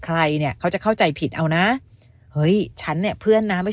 ใครเนี่ยเขาจะเข้าใจผิดเอานะเฮ้ยฉันเนี่ยเพื่อนนะไม่